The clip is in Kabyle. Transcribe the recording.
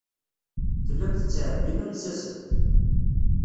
Tellam tettɛebbim alzazen.